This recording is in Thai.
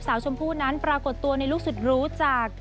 ชมพู่นั้นปรากฏตัวในลูกสุดรู้จาก